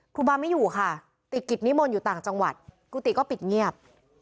ครูบาไม่อยู่ค่ะติดกิจนิมนต์อยู่ต่างจังหวัดกุฏิก็ปิดเงียบ